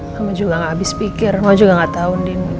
mama juga ga abis pikir mama juga gatau